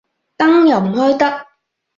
燈又唔開得